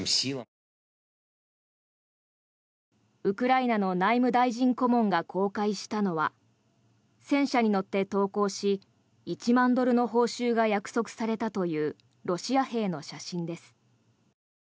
ウクライナの内務大臣顧問が公開したのは戦車に乗って投降し１万ドルの報酬が約束されたというロシア兵の写真です。